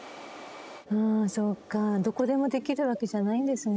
そっかどこでもできるわけじゃないんですね。